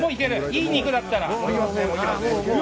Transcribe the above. いい肉だったら。